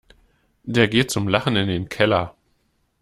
Der geht zum Lachen in den Keller.